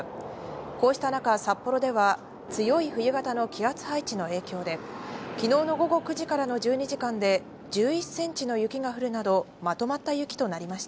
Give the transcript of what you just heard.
こうした中、札幌では強い冬型の気圧配置の影響で昨日の午後９時からの１２時間で、１１センチの雪が降るなど、まとまった雪となりました。